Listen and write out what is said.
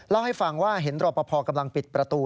เล่าให้ฟังว่าเห็นรอปภกำลังปิดประตู